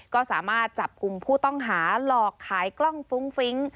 ก็สามารถจับกลุ่มผู้ต้องหาหลอกขายกล้องฟุ้งฟิ้ง